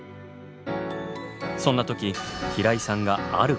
そんな時平井さんがある発見を。